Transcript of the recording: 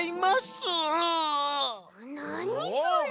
なにそれ！